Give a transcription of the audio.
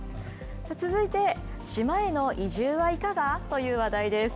続いて、島への移住はいかが？という話題です。